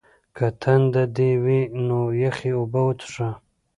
که تنده دې وي نو یخې اوبه وڅښه.